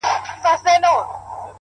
د دومره شنو شېخانو د هجوم سره په خوا کي-